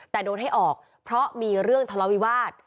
แต่โดนให้ออกเพราะมีเรื่องทะเลาวิวาส